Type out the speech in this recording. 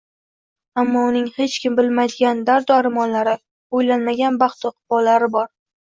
Ammo uning hech kim bilmaydigan dardu armonlari, o‘ylanmagan baxtu iqbollari bor